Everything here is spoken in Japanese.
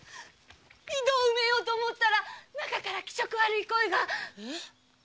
井戸を埋めようと思ったら中から気色悪い声が。え？